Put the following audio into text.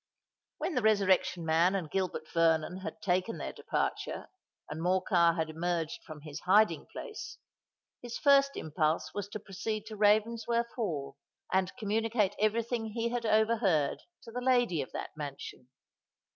When the Resurrection Man and Gilbert Vernon had taken their departure, and Morcar had emerged from his hiding place, his first impulse was to proceed to Ravensworth Hall and communicate every thing he had overheard to the lady of that mansion.